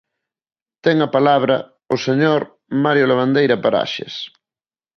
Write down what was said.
Ten a palabra o señor Mario Lavandeira Paraxes.